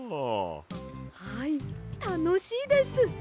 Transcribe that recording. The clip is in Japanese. はいたのしいです！